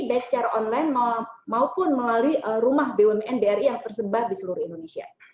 baik secara online maupun melalui rumah bumn bri yang tersebar di seluruh indonesia